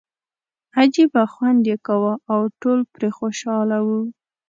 عجیبه خوند یې کاوه او ټول پرې خوشاله وو.